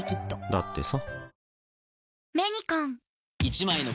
だってさ